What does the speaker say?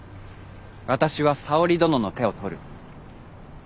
私は沙織殿の手を取る。